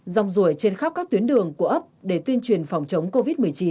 rong rủi trên khắp các tuyến đường của ấp để tuyên truyền phòng chống covid một mươi chín